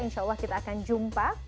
insya allah kita akan jumpa